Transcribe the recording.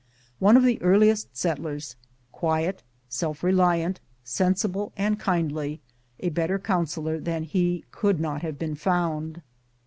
One of the earliest settlers, quiet, self reliant, sensible, and kindly, a better counselor than he could not have been found.